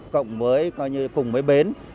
cộng với coi như cùng với bến